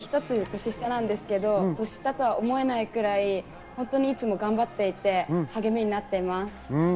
一つ年下なんですけど、年下とは思えないぐらい、本当にいつも頑張っていて、励みになっています。